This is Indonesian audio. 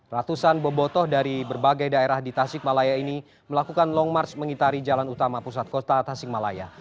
ratusan bobotoh dari berbagai daerah di tasik malaya ini melakukan long march mengitari jalan utama pusat kota tasik malaya